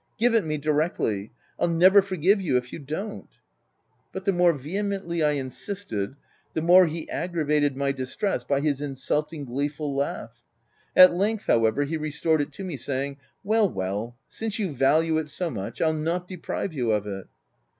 Give it me, directly— ~PU never forgive you, if you don't P But the more vehemently I insisted, the more he aggravated my distress by his insulting gleeful laugh. At length however, he restored it to me, saying — w Well, well, since you value it so much, I'll not deprive you of it."